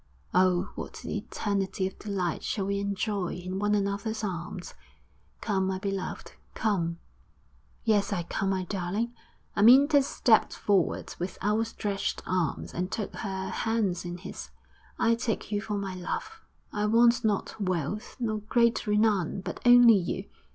Oh, what an eternity of delight shall we enjoy in one another's arms! Come, my beloved, come!' 'Yes, I come, my darling!' Amyntas stepped forward with outstretched arms, and took her hands in his. 'I take you for my love; I want not wealth nor great renown, but only you.